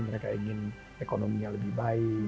mereka ingin ekonominya lebih baik